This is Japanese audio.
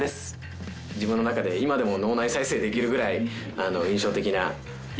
自分の中で今でも脳内再生できるぐらい。